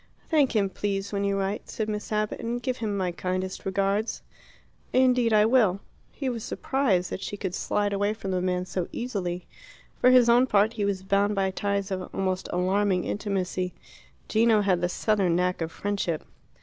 "Thank him, please, when you write," said Miss Abbott, "and give him my kindest regards." "Indeed I will." He was surprised that she could slide away from the man so easily. For his own part, he was bound by ties of almost alarming intimacy. Gino had the southern knack of friendship.